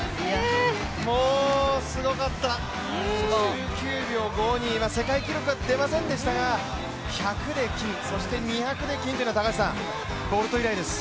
もうすごかった、１９秒５２、世界記録は出ませんでしたが、１００で金、そして２００で金というのはボルト以来です。